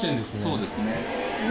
そうですね。